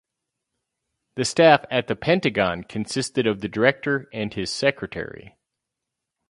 The staff at the Pentagon consisted of the director and his secretary.